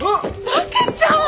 竹ちゃん！